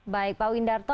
baik pak windarto